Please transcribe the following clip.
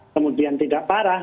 kemudian tidak parah